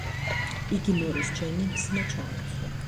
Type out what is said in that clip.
იგი მორის ჯენინგსმა ჩაანაცვლა.